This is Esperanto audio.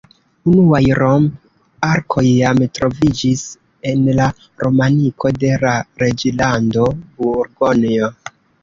Unuaj romp-arkoj jam troviĝis en la romaniko de la Reĝlando Burgonjo.